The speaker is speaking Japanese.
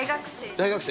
大学生？